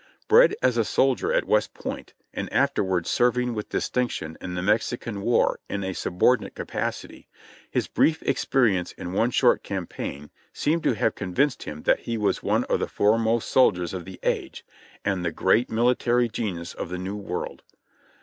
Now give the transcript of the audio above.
Bred as a soldier at West Point, and afterwards serv ing with distinction in the Mexican War in a subordinate capacity, his brief experience in one short campaign seemed to have con vinced him that he was one of the foremost soldiers of the age, and the great military genius of the New World.